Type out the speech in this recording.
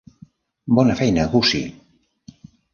Bona feina, Gussie.